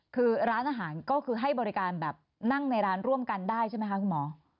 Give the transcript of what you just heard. คือร้านอาหารก็คือให้บริการแบบนั่งในร้านร่วมกันได้ใช่ไหมคะคุณหมอ